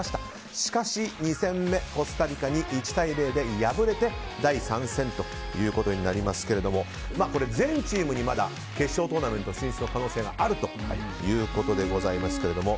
しかし２戦目コスタリカに１対０で敗れて第３戦ということになりますが全チームにまだ決勝トーナメント進出の可能性があるということでございますけれども。